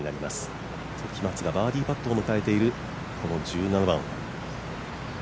時松がバーディーパットを迎えている１７番。